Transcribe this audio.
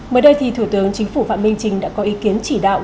mới đây thì thủ tướng chính phủ phạm minh trình đã có ý kiến chỉ đạo